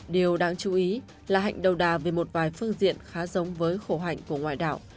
điều đáng chú ý là hạnh đầu đà về một vài phương diện khá giống với khổ hạnh của ngoại đạo